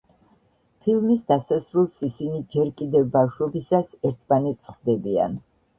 ფილმის დასასრულს ისინი, ჯერ კიდევ ბავშვობისას, ერთმანეთს ხვდებიან.